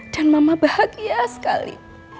dan mama bahagia sekali